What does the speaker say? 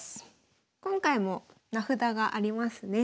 今回も名札がありますね。